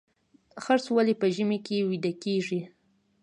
خرس ولې په ژمي کې ویده کیږي؟